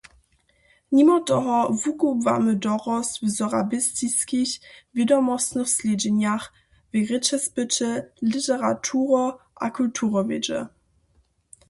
Nimo toho wukubłamy dorost w sorabistiskich wědomostnych slědźenjach: w rěčespyće, literaturo- a kulturowědźe.